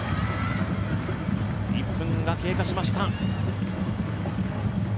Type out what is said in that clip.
１分が経過しました。